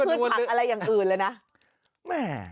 พืชผักอะไรอย่างอื่นเลยนะ